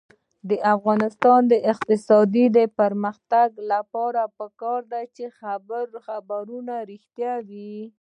د افغانستان د اقتصادي پرمختګ لپاره پکار ده چې خبرونه رښتیا وي.